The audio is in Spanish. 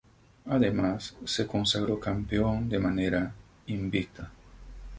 Además, se consagró campeón de manera invicta.